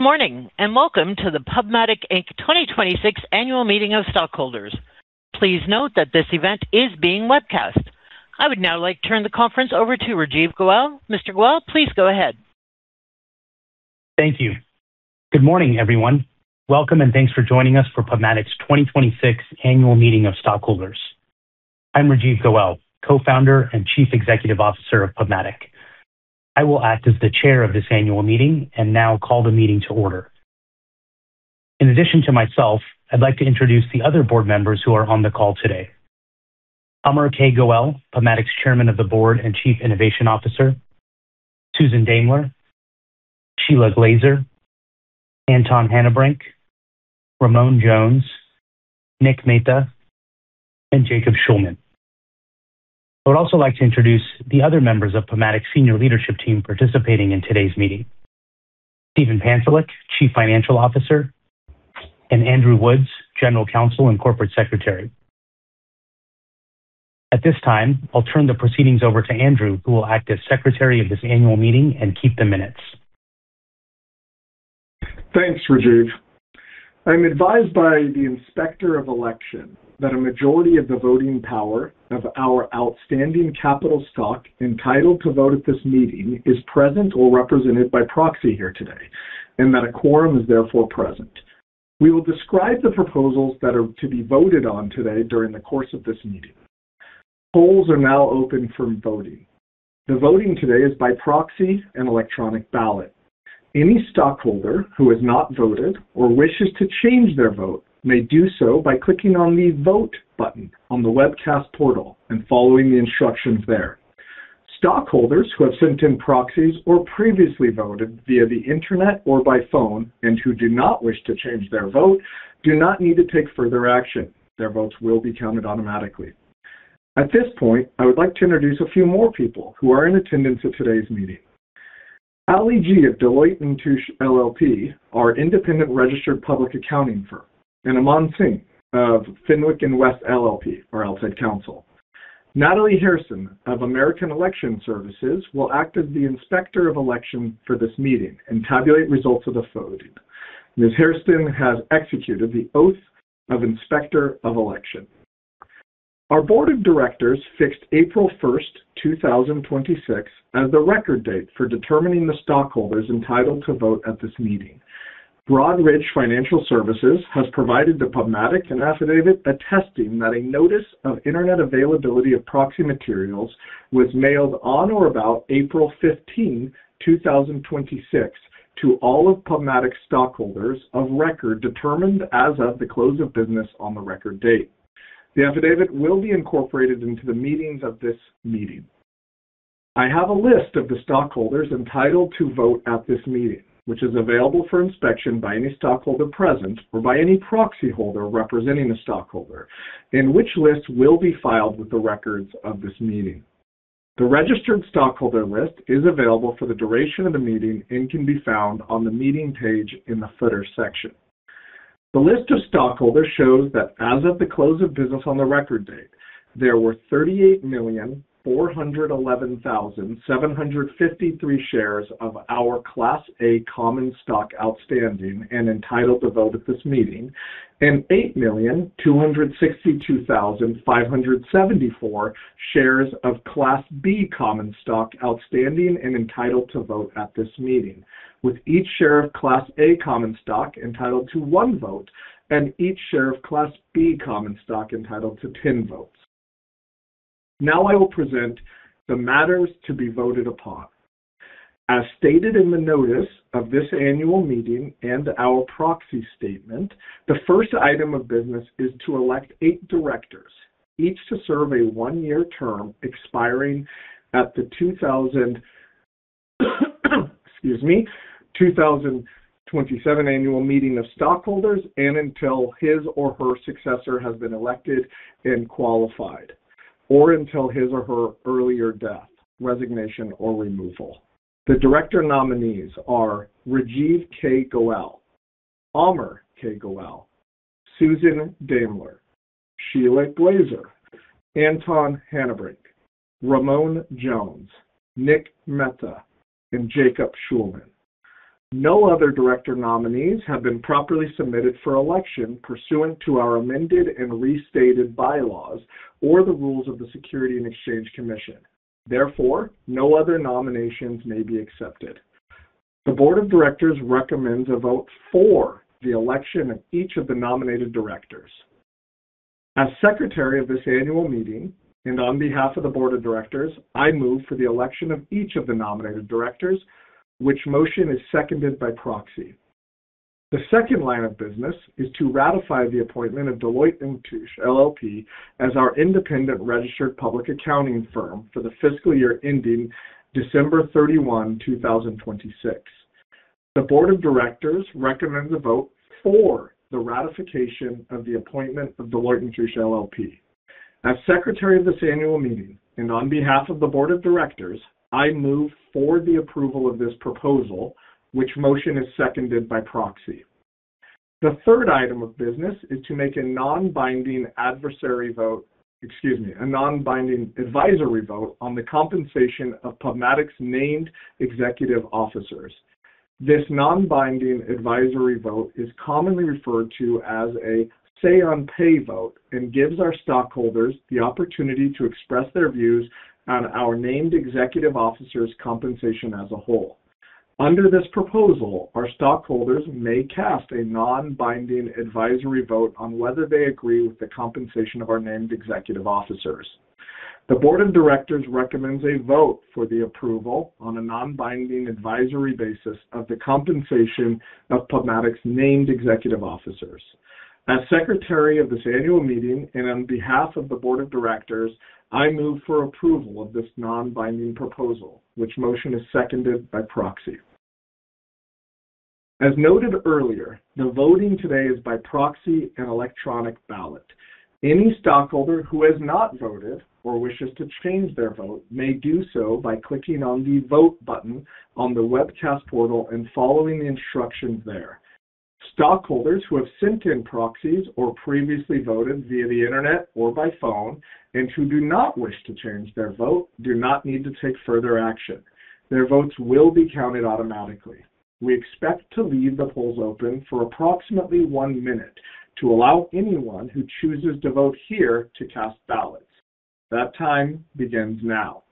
Good morning, welcome to the PubMatic, Inc. 2026 Annual Meeting of Stockholders. Please note that this event is being webcast. I would now like to turn the conference over to Rajeev Goel. Mr. Goel, please go ahead. Thank you. Good morning, everyone. Welcome and thanks for joining us for PubMatic's 2026 Annual Meeting of Stockholders. I'm Rajeev Goel, Co-Founder and Chief Executive Officer of PubMatic. I will act as the Chair of this Annual Meeting and now call the meeting to order. In addition to myself, I'd like to introduce the other Board members who are on the call today. Amar K. Goel, PubMatic's Chairman of the Board and Chief Innovation Officer, Susan Daimler, Shelagh Glaser, Anton Hanebrink, Ramon Jones, Nick Mehta, and Jacob Shulman. I would also like to introduce the other members of PubMatic senior leadership team participating in today's meeting. Steve Pantelick, Chief Financial Officer, and Andrew Woods, General Counsel and Corporate Secretary. At this time, I'll turn the proceedings over to Andrew, who will act as Secretary of this Annual Meeting and keep the minutes. Thanks, Rajeev. I'm advised by the Inspector of Election that a majority of the voting power of our outstanding capital stock entitled to vote at this meeting is present or represented by proxy here today. And that a quorum is therefore present. We will describe the proposals that are to be voted on today during the course of this meeting. Polls are now open for voting. The voting today is by proxy and electronic ballot. Any stockholder who has not voted or wishes to change their vote may do so by clicking on the Vote button on the webcast portal and following the instructions there. Stockholders who have sent in proxies or previously voted via the internet or by phone and who do not wish to change their vote do not need to take further action. Their votes will be counted automatically. At this point, I would like to introduce a few more people who are in attendance at today's meeting. Ali Gee of Deloitte & Touche LLP, our independent registered public accounting firm, and Aman Singh of Fenwick & West LLP, our outside counsel. Natalie Hairston of American Election Services will act as the Inspector of Election for this meeting and tabulate results of the voting. Ms. Hairston has executed the oath of Inspector of Election. Our Board of Directors fixed April 1st, 2026, as the record date for determining the stockholders entitled to vote at this meeting. Broadridge Financial Solutions has provided to PubMatic an affidavit attesting that a notice of internet availability of proxy materials was mailed on or about April 15, 2026. To all of PubMatic's stockholders of record determined as of the close of business on the record date. The affidavit will be incorporated into the minutes of this meeting. I have a list of the stockholders entitled to vote at this meeting, which is available for inspection by any stockholder present or by any proxyholder representing a stockholder. And which list will be filed with the records of this meeting. The registered stockholder list is available for the duration of the meeting and can be found on the meeting page in the footer section. The list of stockholders shows that as of the close of business on the record date, there were 38,411,753 shares of our Class A common stock outstanding and entitled to vote at this meeting and 8,262,574 shares of Class B common stock outstanding and entitled to vote at this meeting, with each share of Class A common stock entitled to one vote and each share of Class B common stock entitled to 10 votes. Now I will present the matters to be voted upon. As stated in the Notice of this Annual Meeting and our proxy statement, the first item of business is to elect eight Directors, each to serve a one-year term expiring at the 2027 Annual Meeting of Stockholders and until his or her successor has been elected and qualified or until his or her earlier death, resignation, or removal. The Director nominees are Rajeev K. Goel, Amar K. Goel, Susan Daimler, Shelagh Glaser, Anton Hanebrink, Ramon Jones, Nick Mehta, and Jacob Shulman. No other Director nominees have been properly submitted for election pursuant to our amended and restated bylaws or the rules of the Securities and Exchange Commission. Therefore, no other nominations may be accepted. The Board of Directors recommends a vote for the election of each of the nominated directors. As Secretary of this Annual Meeting and on behalf of the Board of Directors, I move for the election of each of the nominated Directors, which motion is seconded by proxy. The second line of business is to ratify the appointment of Deloitte & Touche LLP as our independent registered public accounting firm for the fiscal year ending December 31, 2026. The Board of Directors recommends a vote for the ratification of the appointment of Deloitte & Touche LLP. As Secretary of this Annual Meeting and on behalf of the Board of Directors, I move for the approval of this proposal, which motion is seconded by proxy. The third item of business is to make a non-binding advisory vote on the compensation of PubMatic's named executive officers. This non-binding advisory vote is commonly referred to as a say on pay vote and gives our stockholders the opportunity to express their views on our named executive officers' compensation as a whole. Under this proposal, our stockholders may cast a non-binding advisory vote on whether they agree with the compensation of our named executive officers. The Board of Directors recommends a vote for the approval on a non-binding advisory basis of the compensation of PubMatic's named executive officers. As Secretary of this Annual Meeting, and on behalf of the Board of Directors, I move for approval of this non-binding proposal, which motion is seconded by proxy. As noted earlier, the voting today is by proxy and electronic ballot. Any stockholder who has not voted or wishes to change their vote may do so by clicking on the vote button on the webcast portal and following the instructions there. Stockholders who have sent in proxies or previously voted via the internet or by phone, and who do not wish to change their vote, do not need to take further action. Their votes will be counted automatically. We expect to leave the polls open for approximately one minute to allow anyone who chooses to vote here to cast ballots. That time begins now.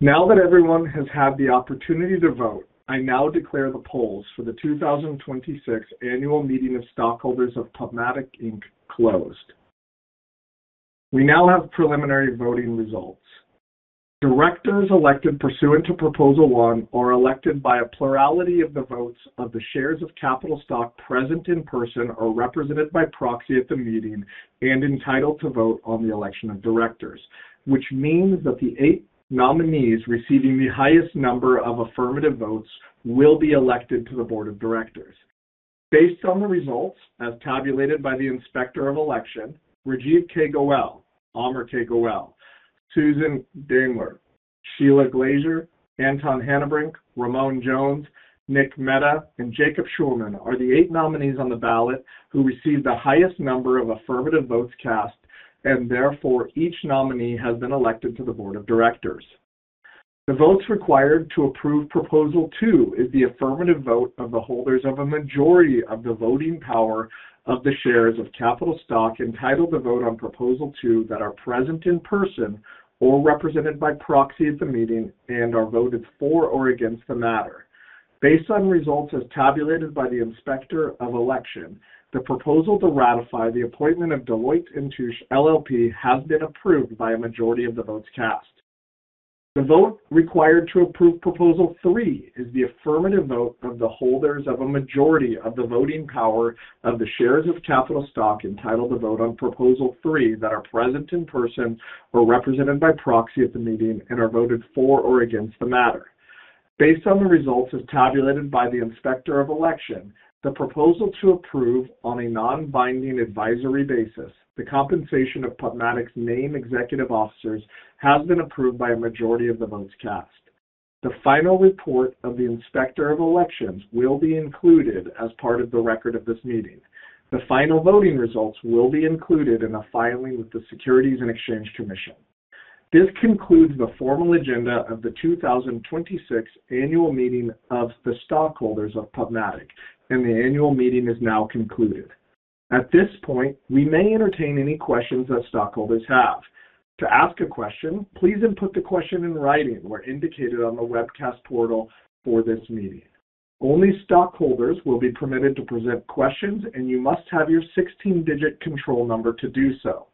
Now that everyone has had the opportunity to vote, I now declare the polls for the 2026 Annual Meeting of Stockholders of PubMatic, Inc. closed. We now have preliminary voting results. Directors elected pursuant to proposal one are elected by a plurality of the votes of the shares of capital stock present in person or represented by proxy at the meeting and entitled to vote on the election of Directors, which means that the eight nominees receiving the highest number of affirmative votes will be elected to the Board of Directors. Based on the results as tabulated by the Inspector of Election, Rajeev K. Goel, Amar K. Goel, Susan Daimler, Shelagh Glaser, Anton Hanebrink, Ramon Jones, Nick Mehta, and Jacob Shulman are the eight nominees on the ballot who received the highest number of affirmative votes cast, and therefore, each nominee has been elected to the Board of Directors. The votes required to approve proposal two is the affirmative vote of the holders of a majority of the voting power of the shares of capital stock entitled to vote on proposal two that are present in person or represented by proxy at the meeting and are voted for or against the matter. Based on results as tabulated by the Inspector of Election, the proposal to ratify the appointment of Deloitte & Touche LLP has been approved by a majority of the votes cast. The vote required to approve proposal three is the affirmative vote of the holders of a majority of the voting power of the shares of capital stock entitled to vote on proposal three that are present in person or represented by proxy at the meeting and are voted for or against the matter. Based on the results as tabulated by the Inspector of Election, the proposal to approve on a non-binding advisory basis the compensation of PubMatic's named executive officers has been approved by a majority of the votes cast. The final report of the Inspector of Election will be included as part of the record of this meeting. The final voting results will be included in a filing with the Securities and Exchange Commission. This concludes the formal agenda of the 2026 Annual Meeting of the Stockholders of PubMatic, and the Annual Meeting is now concluded. At this point, we may entertain any questions that stockholders have. To ask a question, please input the question in writing where indicated on the webcast portal for this meeting. Only stockholders will be permitted to present questions, and you must have your 16-digit control number to do so.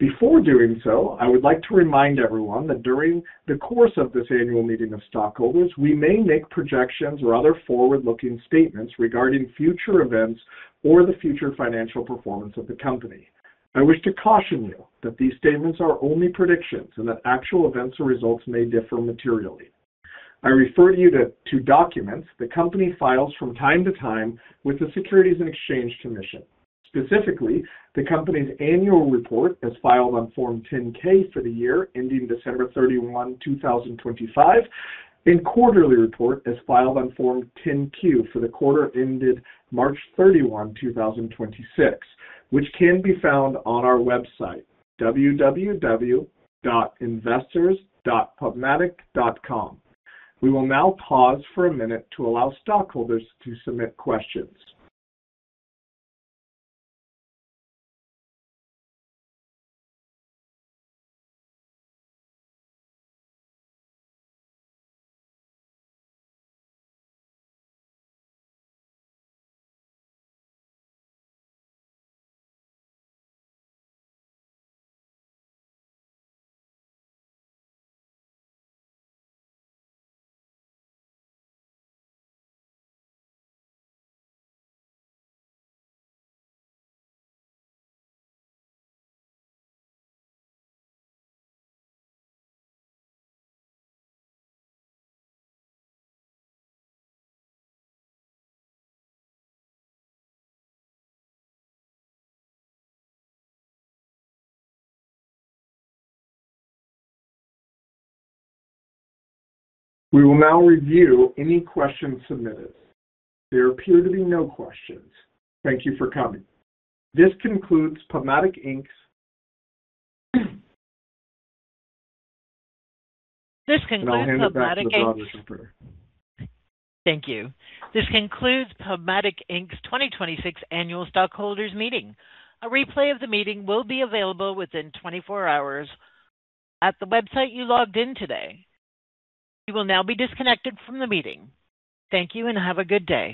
Before doing so, I would like to remind everyone that during the course of this Annual Meeting of Stockholders, we may make projections or other forward-looking statements regarding future events or the future financial performance of the company. I wish to caution you that these statements are only predictions and that actual events or results may differ materially. I refer you to two documents the company files from time to time with the Securities and Exchange Commission. Specifically, the company's annual report as filed on Form 10-K for the year ending December 31, 2025, and quarterly report as filed on Form 10-Q for the quarter ended March 31, 2026, which can be found on our website, www.investors.pubmatic.com. We will now pause for a minute to allow stockholders to submit questions. We will now review any questions submitted. There appear to be no questions. Thank you for coming. This concludes PubMatic, Inc.'s. This concludes PubMatic, Inc. I'll hand it back to the Operator. Thank you. This concludes PubMatic, Inc.'s 2026 Annual Stockholders Meeting. A replay of the meeting will be available within 24 hours at the website you logged in today. You will now be disconnected from the meeting. Thank you, and have a good day.